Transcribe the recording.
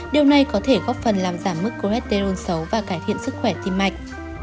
điều này có thể góp phần làm giảm mức cholesterol xấu và cải thiện sức khỏe tim mạch